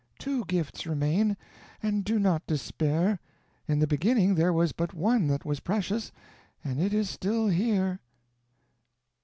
"Two gifts remain. And do not despair. In the beginning there was but one that was precious, and it is still here."